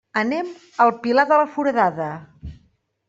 Anem al Pilar de la Foradada.